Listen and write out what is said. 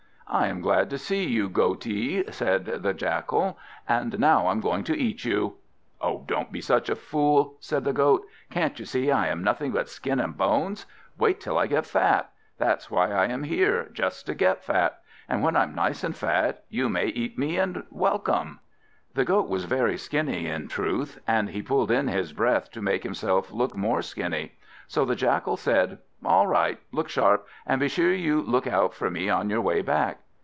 "I am glad to see you, Goatee," said the Jackal; "and now I'm going to eat you." "Don't be such a fool," said the Goat. "Can't you see I am nothing but skin and bones? Wait till I get fat. That's why I am here, just to get fat; and when I'm nice and fat, you may eat me and welcome." The Goat was very skinny, in truth, and he pulled in his breath to make himself look more skinny. So the Jackal said "All right, look sharp, and be sure you look out for me on your way back."